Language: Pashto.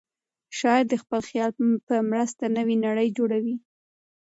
شاعر د خپل خیال په مرسته نوې نړۍ جوړوي.